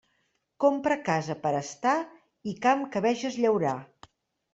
Compra casa per a estar i camp que veges llaurar.